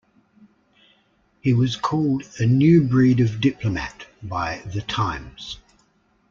He was called "a new breed of diplomat" by "The Times".